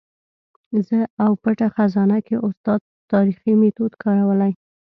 زه او پټه خزانه کې استاد تاریخي میتود کارولی.